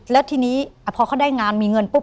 แล้วทีนี้พอเขาได้งานมีเงินปุ๊บ